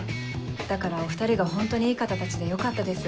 だからお２人がホントにいい方たちでよかったです。